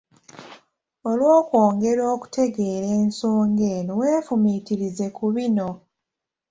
Olw’okwongera okutegeera ensonga eno weefumitirize ku bino.